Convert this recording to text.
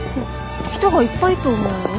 人がいっぱいと思うよ。